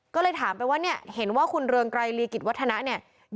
ก็เลยถามไปว่าเนี่ยเห็นว่าคุณเรืองไกรลีกิจวัฒนะเนี่ย